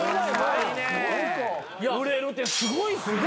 売れるってすごいっすね。